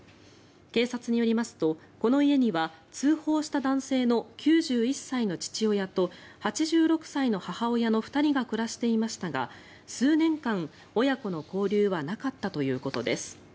警察によりますとこの家には通報した男性の９１歳の父親と８６歳の母親の２人が暮らしていましたが数年間、親子の交流はなかったということです。